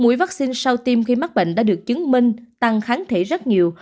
mũi vaccine sau tiêm khi mắc bệnh đã được chứng minh tăng kháng thể rất nhiều